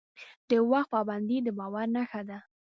د وخت پابندي د باور نښه ده.